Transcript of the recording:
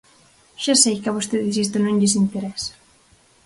Xa sei que a vostedes isto non lles interesa.